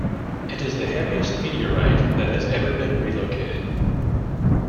It is the heaviest meteorite that has ever been relocated.